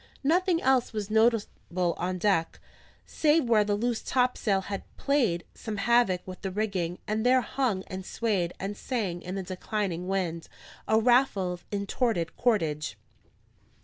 Nothing else was notable on deck, save where the loose topsail had played some havoc with the rigging, and there hung, and swayed, and sang in the declining wind, a raffle of intorted cordage.